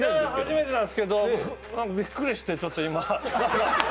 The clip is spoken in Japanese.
初めてなんですけどびっくりして、ちょっと今。